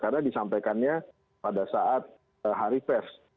karena disampaikannya pada saat hari pers